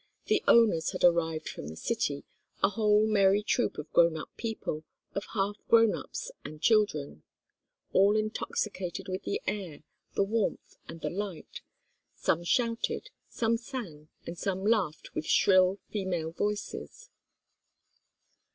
The owners had arrived from the city, a whole merry troop of grown up people, of half grown ups and children, all intoxicated with the air, the warmth and the light. Some shouted, some sang, and some laughed with shrill female voices.